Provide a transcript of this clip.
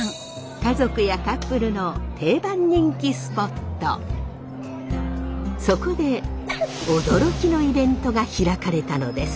家族やカップルのそこで驚きのイベントが開かれたのです。